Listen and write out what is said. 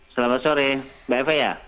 selamat sore mbak eva